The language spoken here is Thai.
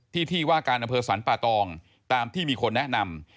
ที่ที่ว่าการอำเภอสรรป่าตองตามที่มีคนแนะนำ